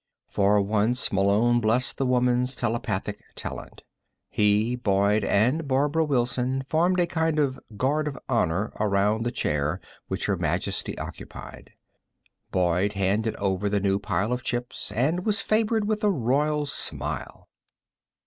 For once Malone blessed the woman's telepathic talent. He, Boyd and Barbara Wilson formed a kind of Guard of Honor around the chair which Her Majesty occupied. Boyd handed over the new pile of chips, and was favored with a royal smile.